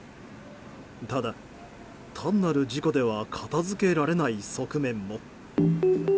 ただ、単なる事故では片付けられない側面も。